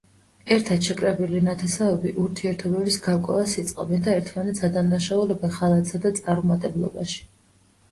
ერთად შეკრებილი ნათესავები ურთიერთობების გარკვევას იწყებენ და ერთმანეთს ადანაშაულებენ ღალატსა და წარუმატებლობაში.